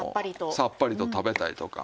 さっぱりと食べたいとか。